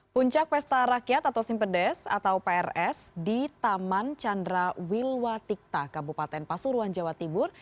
puncak pesta rakyat atau simpedes atau prs di taman chandra wilwatikta kabupaten pasuruan jawa timur